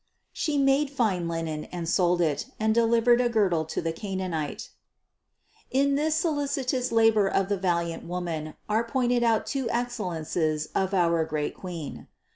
795. "She made fine linen, and sold it, and delivered a girdle to the Chananite." In this solicitous labor of the valiant Woman are pointed out two excellences of our great Queen.